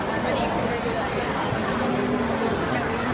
คำต้องพูดเท่าไหร่